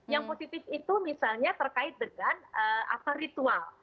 yang positif itu misalnya terkait dengan ritual